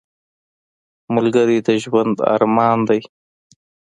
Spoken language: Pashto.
ملګری د ژوند ارمان دی